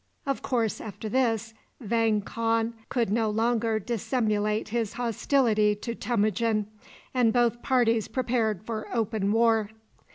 Of course, after this, Vang Khan could no longer dissimulate his hostility to Temujin, and both parties prepared for open war.